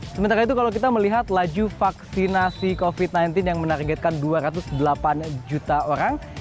sementara itu kalau kita melihat laju vaksinasi covid sembilan belas yang menargetkan dua ratus delapan juta orang